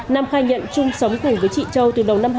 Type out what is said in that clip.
nam khai nhận chung sống cùng với chị châu từ đầu năm hai nghìn hai mươi